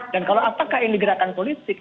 dan kalau apakah ini gerakan politik